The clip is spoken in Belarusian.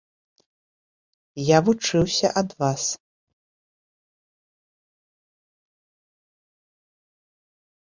Я вучыўся ад вас.